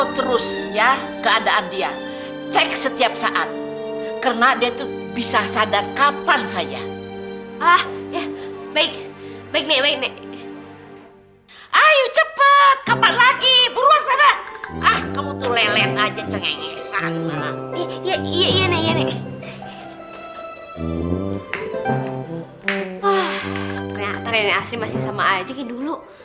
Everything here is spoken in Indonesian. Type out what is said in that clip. ternyata rene asri masih sama aja kayak dulu